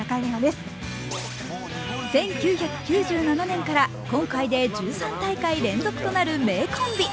１９９７年から今回で１３大会連続となる名コンビ。